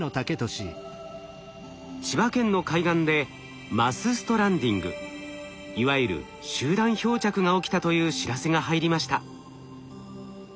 千葉県の海岸でマスストランディングいわゆる集団漂着が起きたという知らせが入りました。